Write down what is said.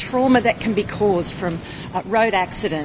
trauma yang bisa diperlukan dari kemalangan jalan